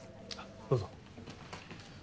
どうぞ。